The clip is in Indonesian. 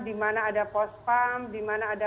dimana ada postpengamanan